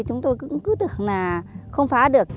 chúng tôi cũng cứ tưởng là không phá được